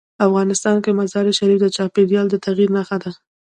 افغانستان کې مزارشریف د چاپېریال د تغیر نښه ده.